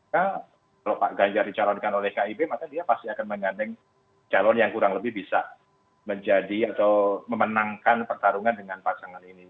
kalau pak ganjar dicalonkan oleh kib maka dia pasti akan menggandeng calon yang kurang lebih bisa menjadi atau memenangkan pertarungan dengan pasangan ini